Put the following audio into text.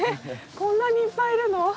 こんなにいっぱいいるの？